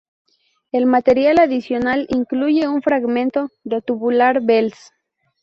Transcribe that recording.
El material adicional incluye un fragmento de Tubular Bells.